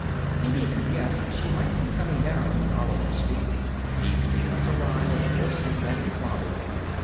He'd even guessed she might be coming down with Alamos fever. He'd seen us arrive, of course, and that had bothered him.